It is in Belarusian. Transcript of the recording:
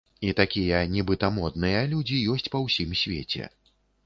І такія нібыта модныя людзі ёсць па ўсім свеце.